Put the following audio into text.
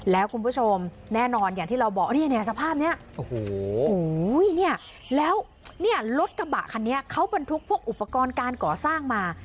แล้วคุณผู้ชมแน่นอนอย่างที่เราบอกเนี่ยสภาพนี้เนี่ยแล้วเนี่ยรถกระบะคันนี้เขาบรรทุกพวกอุปกรณ์การก่อสร้างมา